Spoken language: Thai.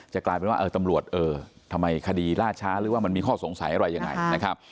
กลายเป็นว่าเออตำรวจเออทำไมคดีล่าช้าหรือว่ามันมีข้อสงสัยอะไรยังไงนะครับ